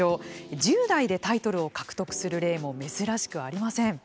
１０代でタイトルを獲得する例も珍しくありません。